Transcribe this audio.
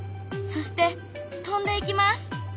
そして飛んでいきます。